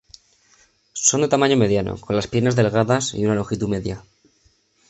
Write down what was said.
Son de tamaño mediano, con las piernas delgadas y una longitud media.